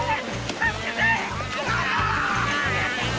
助けて！